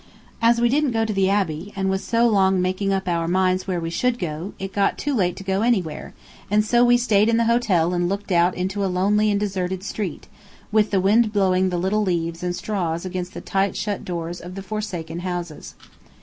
As we didn't go to the Abbey, and was so long making up our minds where we should go, it got too late to go anywhere, and so we stayed in the hotel and looked out into a lonely and deserted street, with the wind blowing the little leaves and straws against the tight shut doors of the forsaken houses.